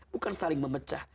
bukan saling memecah